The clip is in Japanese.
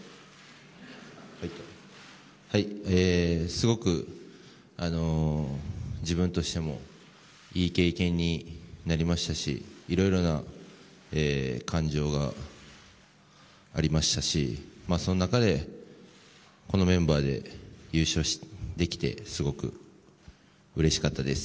すごく自分としてもいい経験になりましたしいろいろな感情がありましたしその中で、このメンバーで優勝できてすごくうれしかったです。